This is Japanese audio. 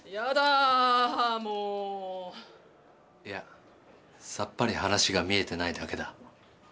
いやさっぱり話が見えてないだけだ。